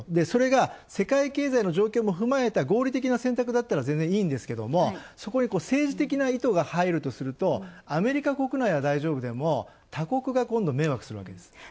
それが世界経済状況も踏まえた合理的な選択だったら全然いいんですけどそこに政治的な意図が入るとするとアメリカ国内は大丈夫でも他国が迷惑するわけです。